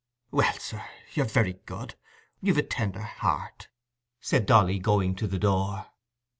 "Well, sir, you're very good: you've a tender heart," said Dolly, going to the door.